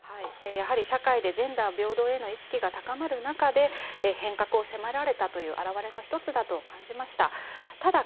やはり社会でジェンダー平等への意識が高まる中で変革を迫られたという表れの１つだと感じました。